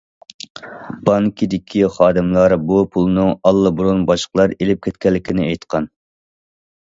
بانكىدىكى خادىملار بۇ پۇلنىڭ ئاللىبۇرۇن باشقىلار ئېلىپ كەتكەنلىكىنى ئېيتقان.